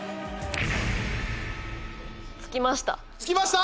つきました。